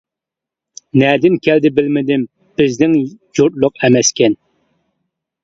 نەدىن كەلدى بىلمىدىم، بىزنىڭ يۇرتلۇق ئەمەسكەن.